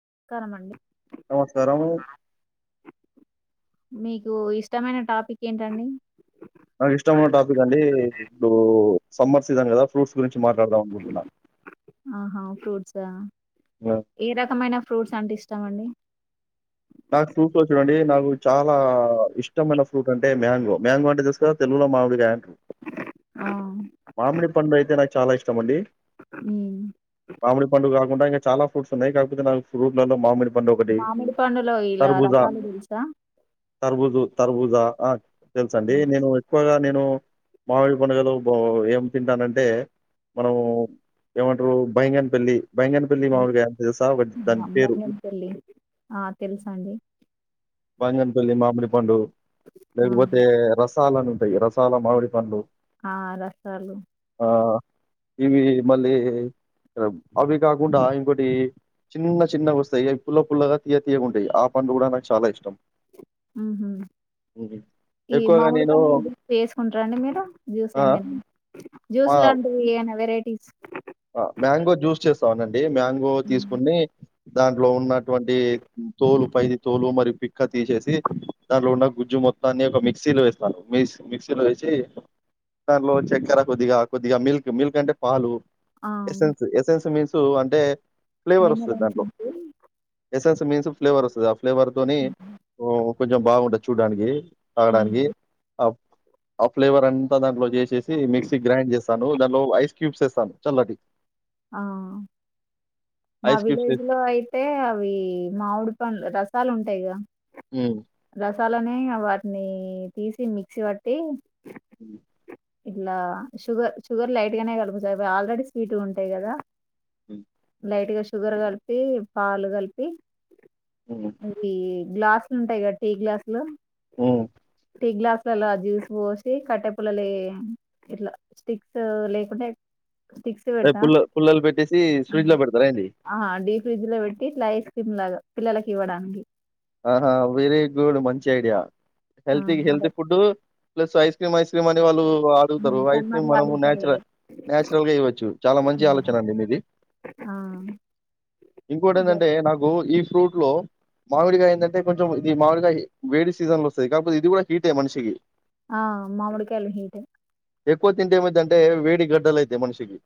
నమస్కారం అండి నమస్కారం మీకు ఇష్టమైన టాపిక్ ఏంటండి నాకు ఇష్టమైన టాపిక్ అండి ఇప్పుడు సమ్మర్ సీజన్ కదా ఫ్రూట్స్ గురించి మాట్లాడదాం అనుకుంటున్నా. ఆహా ఫ్రూట్స్ ఆ! ఏ రకమైన ఫ్రూట్స్ అంటే ఇష్టమండి నాకు ఫ్రూట్స్ లో చూడండి నాకు చాలా ఇష్టమైన ఫ్రూట్ అంటే మ్యాంగో మ్యాంగో అంటే తెలుసు కదా తెలుగులో మామిడి కాయ ఆ మామిడి పండుయితే నా చాలా ఇష్ట మండి ఉమ్ ఉంటాయి గాని చాలా ఫ్రూట్స్ ఉన్నాయి కాకపోతే నాకు ఫ్రూట్లలో మామిడి పండు ఒకటి, మామిడి పండులొ ఓ ఇలా రకాలు తెల్సా తరబుజు తరబుజా అ తెలుసండి నేను ఎక్కువగా నేను మామిడి పండ్లలో ఏం తింటానంటే మనము ఏమంటారు బంగినపెల్లి బైంగనపల్లి మామిడి కాయలు తెలుసా ఒక దాని ఆ పేరు బంగినపల్లి ఆ తెలుసా అండి బంగనపల్లి మామిడి పండు ఆ లేకపోతే రస రసాలలు ఉంటాయి రసాల మామిడి పండ్లు ఆ రసాలు అ ఇవి మళ్ళీ అవి కాకుండా ఇంకోటి చిన్న చిన్న వస్తాయి అవి పుల్ల పుల్లగా తీయ్య తీ తియ్యగా ఉంటాయి ఆ పండ్లు కూడా నాకు చాలా ఇష్టం ఉ హు హ్మ్. ఈ ఎక్కువగా మామిడి నేను పండ్లు జ్యూస్ వేసుకుంటార అండి మీరు జ్యూస్ ఆ! ఏమ జ్యూస్ లాంటివి ఏనా వెరైటీస్ అ మ్యాంగో జ్యూస్ చేస్తావునండి ఏ మ్యాంగో తీసుకుని దాంట్లో ఉన్నట్ వాటి తోలు పయిది తోలు మరియు పిక్క తీసేసి దాంట్లో ఉన్న గుజ్జు మొత్తాన్ని ఒక మిక్సీలో వేస్తాను మిక్ మిక్సీలో వేసి దాంట్లో చక్కెర కొద్దిగా కొద్దిగా మిల్క్ మిల్క్ అంటే పాలు ఏసెన్స్ ఏసెన్స్ మీన్స్ సో అంటే ఫ్లేవర్ వస్తది వేన్నలా చె దాంట్లో. ఎసెన్స్ మీన్స్ ఫ్లేవర్ వస్తదా ఫ్లేవర్ తోని అ కొంచెం బాగుంటది చూడడానికి ఉమ్. తగాడానికి ఆ ఆ ఫ్లేవర్ అంతా దాంట్లో చేసేసి మిక్సీ మిక్సీ గ్రైండ్ చేసి తాను దానిలో ఐస్ క్యూబ్స్ వేస్తాను చలాటీ ఆ మా ఐస్ క్యూబ్స్ విలేజ్ ఎసి లో అయితే అవి మామిడి పండ్లు రసాల్ సాలు ఉంటాయిగా అ తలనే వాటిని తీసి మిక్సీ పట్టి ఉ ఇలా షుగర్ షుగర్ లైట్ గానే కలుపు కలుపుత ఆల్రెడీ స్వీట్ ఉంట కదా [inaudible] లైట్ గా షుగర్ కలిపి పాలు కలిపి హ్మ్. అంటే గ్లాసులు ఉంటాయి కదా టీ గ్లాసు లు ఆ టీ గ్లాస్ లలా జ్యూస్ పోసి కట్టె పల్లలు ఇట్లా స్టిక్స్ లేకుంటే స్టిక్ అదే పుల్ల పుల్లలు పెట్టేసి ఫ్రిడ్జ్ లో పెడతారా అండి ఆ డీప్ ఫ్రిడ్జ్ లో పెట్టి ఇట్లా ఐస్ లాగా పిల్లలకి ఇవ్వడానికి ఆహా వెరీ గుడ్ మంచి ఐడియా ఆ హల్తి అదే హెల్తి ఫుడ్ ప్ల ఐస్ క్రీమ్ ఐస్ క్రీమ్ అని వాళ్ళు డుగుతారు ఐ సమ్మర్ క్రీమ్ లో అడుగుతారు కదా మనురల్చురల్గా ఇవ్వచ్చు చాలా మంచి ఆలోచనది ఆ ఇంకోటి ఏంటంటే నాకు ఈ ఫ్రూట్ లో మామిడి కాయ ఏంటంటే కొంచెం ఇది మామిడి కాయ వేడి సీజన్ లో వస్తుంది కాకపోతే ఇది కూడా హీట్ అయ్య మనిషి ఆ మమిడికయాలు హీట్ ఎక్కువ తింటే ఏమైతుంటే వేడి గడ్డలుైతయి మనిషికి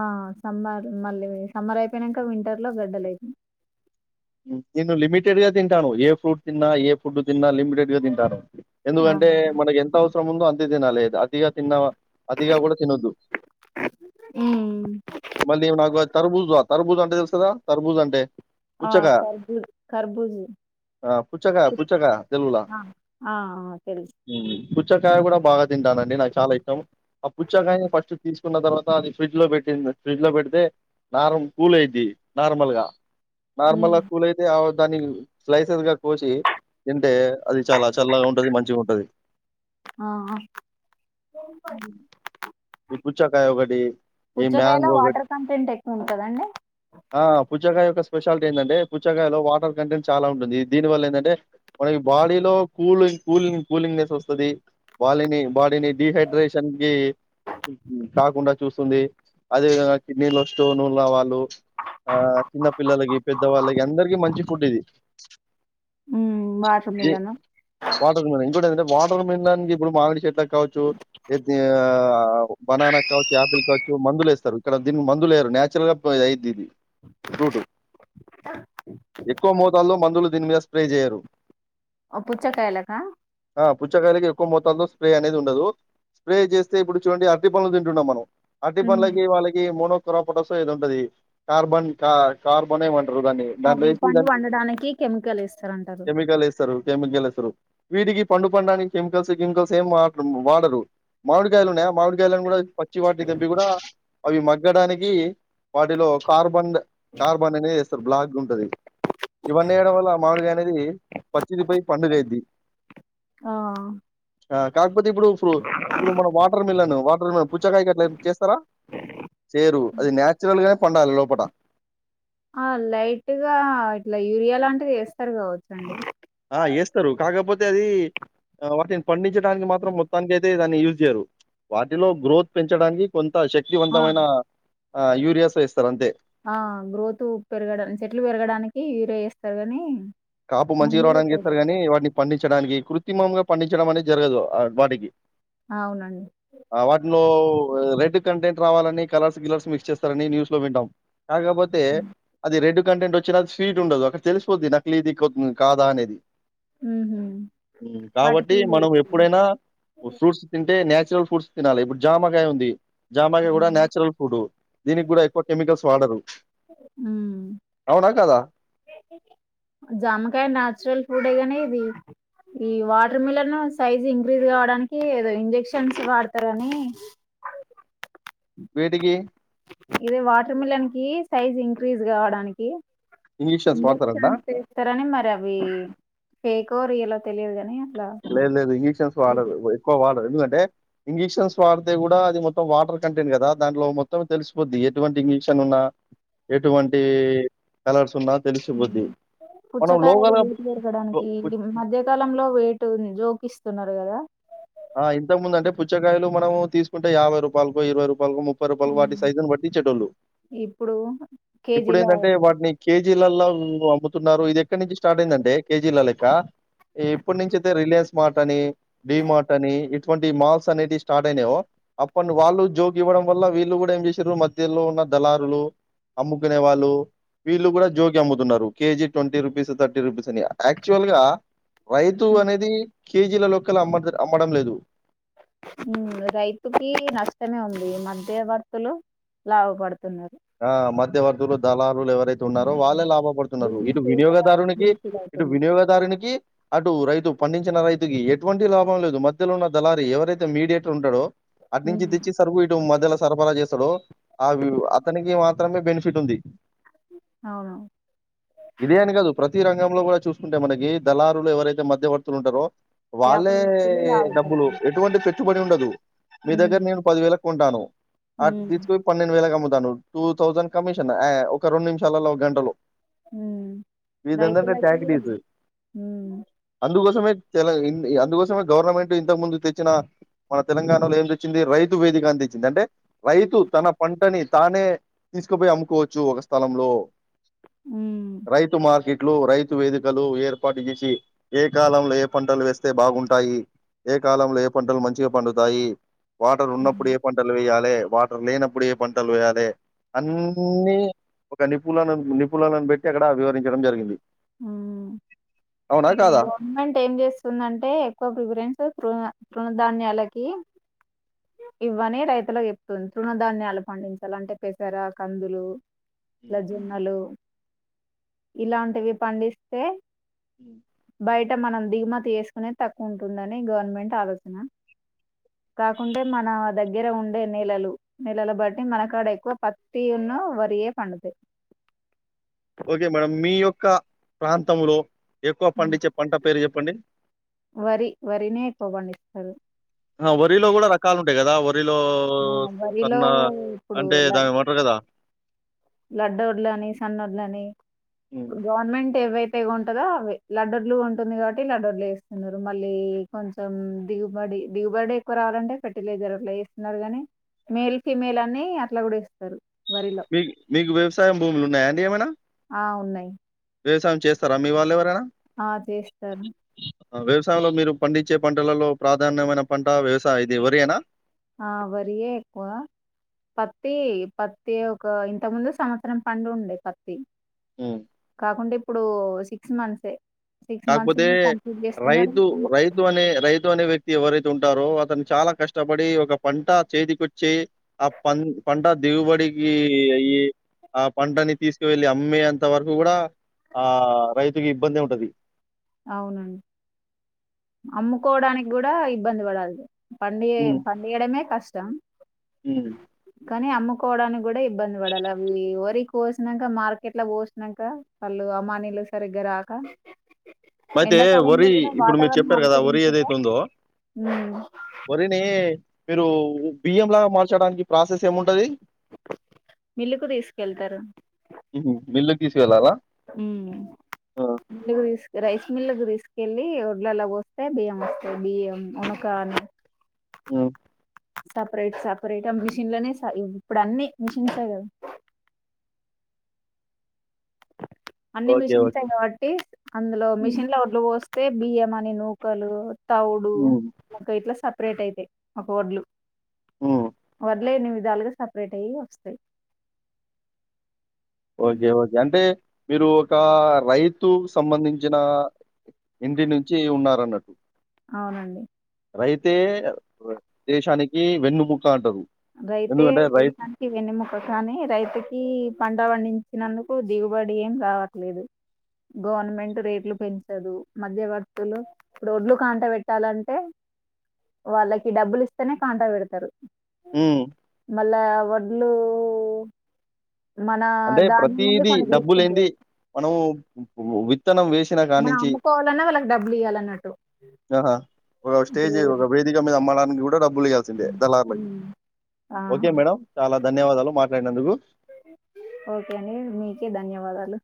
ఆ సమ్మర్ మళ్ళీ సమ్మర్ అయిపోయినాక వింటర్ లో గడ్డలు అయితయి నేను లిమిటెడ్ గా తింటాను ఏ ఫ్రూట్ తిన్నా ఏ ఫుడ్ తిన్నా లిమిటెడ్గా తింటాను ఆ ఎందుకంటే మనకి ఎంత అవసరం ముందు అంత తినాలి అతిగా తిన్న అదిగా కూడా తినద్దు హ్మ్. మళ్ళీ ఏం కారాబూజు కర్బూజ్ అంటే తెలుసు కదా కర్బూజ్ అంటే ఆ పుచ్చకాయ. కర్బుజు కర్బుజు ఆ! పుచ్చకాయ, పుచ్చకాయ తెలుగుల. ఆ ఆ తెలుసు కుుచ్చకాయ కూడా బాగా తింటానండి నాకు చాలా ఇష్టం ఆ పుచ్చాకాయ ఫస్ట్ తీసుకున్న తర్వాత ది ఫ్రిడ్జ్ లో పెట్టింది ఫ్రిడ్జ్ లో పెడితే నార్ల్ కూల్ అయిది నార్మల్ గా నార్మల్ హ్మ్. కూల్ అయితే అవ దాన్ని స్లైసెస్ గా కోసి తింటి అది చాలా చల్లగా ఉంటది మంచిగా ఉంటది ఆ ఆ! ఈ పుచ్చకాయ ఒకటి ఈ పుచ్చకాయలో మ్యాంగ ఒకటి వాటర్ కంటెంట్ ఎక్కువ ఉంటదండి ఆ పుచ్చ పుచ్చకాయ స్పెషాలిటీ ఏంటంటే పుచ్చకాయలో వాటర్ కంటెంట్ చాలా ఉంటుంది దీని వల్ల ఏంటంటే మనకి బాడీలో కూలింగ్ కూలింగ్ కూలింగ్నెస్ వస్తుంది బాడీని బాడీని డిహైడ్రేషన్ క కాకుండా చూస్తుంది అదే విధంగా కిడ్నీలో స్టోన్ ఉన్న వాళ్ళు పిల్లలకి పెద్దవాళ్ళకి అందరికి మంచి ఫుడ్ ఇది వాటర్ మిలన్ వాటర్ ఇంకోటి వాటర్ మిల్డానికీ ఇప్పుడు మామిడి చెట్ ల్ కావచ్చు ఎ టీ ఆహ్ బనానా కావచ్చు, యాపిల్ కావచ్చు మందులు ఏస్తారు. ఇక్కడ దీన్ని మందులు వేయ్యారు. నచురల్ గా అయిద్ది ఇది ఫ్రూట్ ఎక్కువ మోతాల్లో మందులు దీని మీద స్ప్రే చెయ్యారు. ఓ పుచ్చకాయలా కా పుచ్చకాయలకి ఎక్కువ మోతాదులో స్ప్రే అనేది ఉండదు. స్ప్రే చేస్తే ఇప్పుడు చూడండి అరటి పండ్లు తింటున్నాం. మనం అరటీ హ్మ్. పన్లకి వాళ్ళకి మోనో కురపోటసో ఏదో ఉంటది. కార్బన్ కా కార్బోనే ఏమో ఉ అవి పండు పండడానికి కెమికల్ ఏస్తారంటారు. కెమికల్ వేస్తారు కెమికల్ ఏస్తారు. వీటికి పండు పండానికి కెమికల్స్ గిమికల్స్ ఏం వాడ్ ము వాడరు. మామిడికాయలు ఉన్నాయా మామిడికాయలను కూడా పచ్చి వాటిని తెంపి కూడా అవి మగ్గడానికి వాటిలో కార్బన్డ్ కార్బన్డ్ అనేనే వేస్తారు బ్లాక్ ఉంటుది. ఇవన్నీ వేయడం వల్ల మామిడిగాయా అనేయి పచ్చిది పోయి పండుగ అయిది. ఆ ఆ కాకపోతే ఇప్పుడు ఫుల్ ఇప్పుడు మన వాటర్ మిలన్ వాటర్ మిల్ పుచ్చకాయ అట్లా చేస్తారా. చేయ్యారు అది నాచురల్ గా పండాలి లోపటా. ఆ లైట్ గా ఇట్లా యూరియా లాంటిది ఏస్తారు కావచ్చండి. ఎస్తారు కాకపోతే అది వాటిని పండించడానికి మాత్రం మొత్తానికి అయితే దాన్ని యూజ చేయరు. వాటిలో గ్రోత్ పెంచడానికి కొన్ త్త ఆ శక్తివంతమైన ఆ యురియాస్ ఏస్తారు అంతే. ఆహ్ గ్రోత్ పెరగడాన్ చెట్లు పెరగడానికి యూరియా ఏస్తారు. కాని కాపు మంచి రావడానికి ఏస్తారు. కానీ వాటిని పండి చడానికి కృత్రిమంగా పండించడం అనేది జరగదు. ఆహ్ వాటికి అవునండి అహ్ వాటిలో పూ రెడ్ కంటెంట్ రావాలని కలర్స్, గిలర్స్ మిక్స్ చేస్తారని న్యూస్ లో వింటాం. కాకపోతే అది రెడ్ కంటెంట్ వచ్చిన అది స్వీట్ ఉండదు. అక్కడ తెలిసిపోద్ది నా క్లీదికో కాదా అనేది ఉహు ఉహ్మ్ కాబట్టి వాటికి మనం ఎప్పుడైనా ఓ ఫ్రూట్స్ తింటే నాచ్ రల్ ఫుడ్స్ తినాలి ఇప్పుడు జామకాయ ఉంది. జామాకాయ కూడా నాచురల్ ఫుడ్ దీనికి కూడా ఎక్కువ కెమికల్స్ వాడరు. ఉమ్ అవునా కాద జామకాయ నాన్చురల్ ఫ్రూడ్ కాని ఇది. ఈ వాటర్ మిలన్ సైజ్ ఇంక్రీజ్ కావడానికి ఏదో ఇంజెక్షన్స్ వాడతారు. అని వేటికి ఇదే వాటర్ మిలన్ కి సైజ్ ఇంక్రీజ్ గావడానికి ఇంజెక్షన్స్ వాడతారంటనా? ఇంజక్షన్స్ ఎస్తారని మరి అవి ఫేక్ రియలో తెలియదు కాని అట్లా లేదు లేదు ఇంజూక్షన్స్ వాడరూ వ ఎక్కువ వాడరు ఎందుకంటే ఇంజిక్షన్స్ వాడితే కూడా. అది మొత్తం వాటర్ కంటెంట్ కదా. దాంట్లో మొత్తం తెలిసిపోద్ది ఎటువంటి ఇంజక్షన్ ఉన్నా, ఎటువంటి కలర్స్ ఉన్నా తెలిసిపోద్ది. మనం లోగల పుచ్చకాయది వేటు లో దొరకడానికి పుచ్ మధ్యకాలంలో వేటు జో పకిస్తున్నారు కదా ఆ ఇంతకుముందు అంటే పుచ్చకాయలు మనం తీసుకుంట యాభై రూపాయలకు ఇరవై రూపాయలులకు ము పలు వాటి ఉమ్, సైజును పట్టించేటోళ్ళు ఇప్పుడు ఇప్పుడు కేజీల ఏంటంటే వాటిని కేజీ కేజీ అమ్ముతున్నారు ఇది ఎక్కడి నుంచి స్టార్ట్ అయిందంటే కేజీ లెక్క ఎప్పటి నుంచి అయితే రిలయన్స్ మార్ట్ అని డడిమాార్ట్ ఇటువంటి మాల్స్ అనేవి స్టార్ట్ అయినాో అప్పడు వాళ్ళు జోగి ఇవ్వడం వల్ల వీళ్ళు కూడా ఏం చేసారు మధ్యలో ఉన్న దళారులు అమ్ముకునే వాళ్ళు వీళ్ళు కూడా జోగి అమ్ముతున్నారు KG twenty rupees thirty rupees అని యాక్చువల్ గా రైతు అనేది కేజీల లో అమ్మ అమ్మడం లేదు రైతుకి నష్టమే ఉంది మధ్యవర్తులు లాభ పడుతున్నారు ఆ మధ్య వర్దులు దలా ఎవరైతే ఉన్నారో వాళ్ళే లాభ పడుతున్నారు బిజినెస్ ఇటు చేసే వాళ్ళకి వినియోగదారునికి బెనిఫిట్ ఇటు అవుతుంది వినియోగదారునికి అటు రైతు పండించిన రైతుకి ఎటువంటి లాభం లేదు మధ్యలో ఉన్న దళారి ఎవరైతే మీడియేటర్ ఉంటాడో అటి నుంచి ఉమ్, తెచ్చి సర్కు ఇటు మధ్యలో సరఫరా చేస్త సడ అవి మాత్రమే బెనిఫిట్ ఉంది అవును ఇదే అని కాదు ప్రతి రంగం లో కూడా చూసుకుంటే మనకి దళారులు ఎవరైతే మధ్య పర్తులు ఉంటారో వాళ్ళే వ్యాపారస్తులు నడమ్ములు లాభపడుతున్నారు ఎటువంటి చట్టు పడి ఉండదు మీ దగ్గర ఉమ్ నేను పది వేలకు కొంటాను అటు ఉమ్ తీసుకుయి పన్నెండు వేలకు అమ్ముతాను టూ థౌజండ్ కమిషన్ ఒక రెండు నిమిషాలలో ఒక గంటలో ఉమ్. వదిందంటే రైతులకి టాక్డీస్ ఉమ్ అందుకోసమే తెల అందుకోసమే గవర్నమెంట్ ఇంతకు ముందు తెచ్చిన మన తెలంగాణలో ఏం తెచ్చింది రైతు వేదిక అని తెచ్చింది అంటే రైతు తన పంటని తానే తీసుకుపోయి అమ్ముకోవచ్చు ఒక స్థలంలో ఉమ్ రైతు మార్కెట్ ఇట్లో రైతు వేదికలు ఏర్పాటు చేసి ఏ కాలంలో ఏ పంటలు వేస్తే బాగుంటాయి ఏ కాలంలో ఏ పంటలు మంచిగా పండుతాయి వాటర్ ఉన్నప్పుడే పంటలు వయ్యాలి వాటర్లేనప్పుడే పంటలు పోయాలే అన్నీ ఒక నిపుణణలను నిపుణులను పెట్టి అక్కడ వివరించడం జరిగింది అవునా ఇప్పుడు కాదా గవర్నమెంట్ ఏం చేస్తుందంటే ఎక్కువ ప్రిఫరెన్స్ త తణ ధాన్యాలకి ఇవ్వని రైతులకు చెప్తుంది తృణధాన్యాలు పండించాలి అంటే పెసర కందులు ఇల ఉమ్ జొన్నలు ఇలాంటివి పండిస్తే అ అట్ట మనం దిగుమతి చేసుకునే తక్కువ ఉంటుందని గవర్నమెంట్ ఆలోచన కాకుంటే మన దగ్గర ఉండే నెలలు నెలలు బట్టి మనకాడ ఎక్కువ పత్తి ఉన్న వరియ పండుత ఓకే మేడంమ్ మీ యొక్క ప్రాంతంలో ఎక్కువ పండిే పంట పేరు చెప్ప ప్పండిడి వరి వరినే ఎక్కువగాబండిస్తారు వరిలో కూడా రకాలు ఉంటాయి కదా వరి ఆ బరిలో అంటే ఇప్పుడుల దాన్నేమంటారు గదా! లడ్డోడ్ల అని సన్నోడ్లని హ్మ్. గవర్నమెంట్ ఏవైతే పెగు ఉంటందా అవి లడర్లు ఉంటుంది కాబట్టి లడూర్లు వేస్తున్నారు మళ్ళీ కొంచెం దిగుబడి దిగుబడి ఎక్కువ రావాలంటే ఫెర్టిలైజర్లో వే ఉన్నారు గాని మేల్ ఫీమేల్ అన్ని అట్లా కూడా ఇస్తారు వరిలో మీ మీకు వ్యవసాయం భూములు ఉన్నాయా అండి ఏమైనా ఆ ఉన్నాయి వ్యవసాయం చేస్తారా మీ వాళ్ళ ఎవరైనా ఆ చేస్తారు వ్యవసాయంలో మీరు పండించే పంటలలో ప్రాధాన్యమైన పంట వ్యవసాయ ఇది ఎవరిైనా ఆ వరియే ఎక్కువ పత్తి పత్తి ఒక ఇంత ముందు సంవత్సరం పండు ఉండే పత్తి హ్మ్. కాకుండాే ఇప్పుడు సిక్స్ మంత్సే సిక్స్ మంత్స్ కాక్పోతే కంప్లీట్ చేస్తున్నారు రైతు రైతు అనే రైతు అనే వ్యక్తి ఎవరైతే ఉంటారో అతను చాలా కష్టపడి ఒక పంట చేతికొచ్చి ఆ ప పంట దిగుబడికి అయి ఆ పంటని తీసుకువెళ్ళి అమ్మేంత వరకు కూడా ఆ రైతుకి ఇబ్బంది ఉంటది అవునండి అమ్ముకోవడానికి కూడా ఇబ్బంది పడాలి పండ హ్మ్. పంగడంమే కష్టం హ్మ్. కానీ ఆమ్కు కోవడానికి కూడా ఇబ్బంది పడాలి అ వరి కోసినాక మార్కెట్ పోసాక వాళ్ళు అమానిలు సరిగ్గ రాక అయితే ఎండాకాలంలో వరి కూడా ఇప్పుడు మీరు వాతావరణం చెప్పారు కదా వరి అలుకరించక ఏదైతే ఉందో వరిని మీరు బియ్యం లాగా మార్చడానికి ప్రాసెస్ ఏముంటది మిల్లుకు తీసుకెళ్తారు తీసువెళ్ళాలా ైస్ మిళకి తీసుకెళ్ళలి ఒడ్లలా పోస్తే బియ్యం వస్తాయి బియ్యం ఉనకా అని అ సపరేట్ సపరేట్ ఆ మిషిన్ లోనే ఇప్పుడు అన్నిీ మిషన్స్ా కదా అన్ని ఓకే. ఓకే. మిషన్స్యి కాబట్టి అందులో హ్మ్. మిషన్ లోడ్లు పోస్త అయితే బియ్యమని నూకలు తౌడు హ్మ్. ఒక ఇట్లా స అపరేట్ అయితే ఒక వడ్లు హ్మ్. వడ్లు ఎన్ని విధాలుగా సపరేట్ అయ్యి వస్తాయి ఓకే. ఓకే. అంటే మీరు ఒక రైతు సంబంధించిన ఇంటి నుంచి ఉన్నారన్నట్టు. అవునండి రైతే వ దేశానికి వెన్నుముక అంటారు. రైతే ఎందుకంటే రైతు దేశానికి వెన్నెముక కానీ రైతుకి పంట పండించినందుకు దిగుబడి ఏం రావట్లేదు గవర్నమెంట్ రేట్లు పెంచదు మధ్యవర్తులు ఇప్పుడు ఒడ్లు కాంట పెట్టాలంటే వాళ్ళకి డబ్బులు ఇస్తేనే కాంట పెడతారు హ్మ్. మళ్ళా వడ్లు మన అంటే దాని నుండి ప్రతీదీ కొన్ని డబ్బు లేనిది తీసుకుంటారు మనం విత్తనం వేసిన మనం కాడ్నించి అమ్ముకోవాలన్నా వాళ్ళకి డబ్బులు ఇయ్యాలన్నట్టు ఆహా! ఒక స్టేజ్ ఇప్పుడు ఒక వేదిక మీద అమ్మడానికి గూడా డబ్బులియ్యాల్సిందే దళార్లకి. ఉమ్. ఆ ఓకే మేడం. చాలా ధన్యవాదాలు మాట్లాడినందుకు. ఓకే అండి మీకే ధన్యవాదాలు